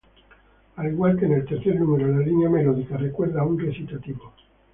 Al igual que en el tercer número, la línea melódica recuerda a un recitativo.